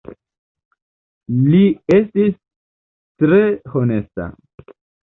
Li estis tre honesta.